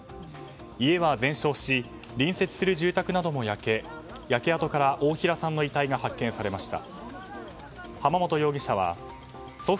家は全焼し隣接する住宅なども焼け焼け跡から大平さんの遺体が発見されました。